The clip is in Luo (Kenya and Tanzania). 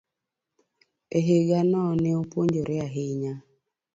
e higano, ne opuonjore ahinya.